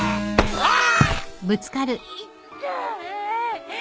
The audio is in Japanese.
・ああ。